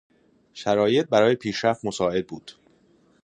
شرایط برای پیشرفت مساعد بود.